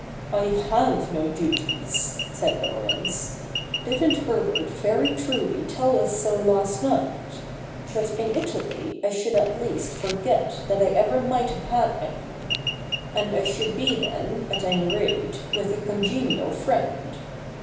' I have no duties,' said Laurence. ' Didn't Herbert very truly tell us so last night ? But in Italy I should at least forget that I ever might have had any. And I should be then, at any rate, with a congenial friend.